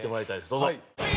どうぞ。